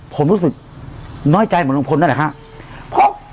ผมรู้สึกน้อยใจเหมือนลุงพลนั่นแหละครับ